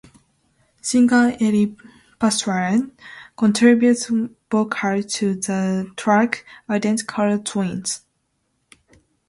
Singer Elly Paspala contributed vocals to the track "Identical Twins".